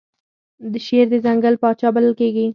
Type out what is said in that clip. شیر د ځنګل پاچا بلل کیږي